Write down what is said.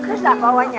kekas lah bawahnya